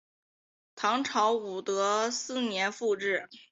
唐朝武德四年复置。